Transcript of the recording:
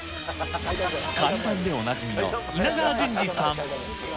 怪談でおなじみの稲川淳二さん。